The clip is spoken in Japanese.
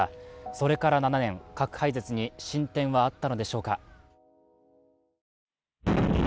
それから７年、核廃絶に進展はあったのでしょうか。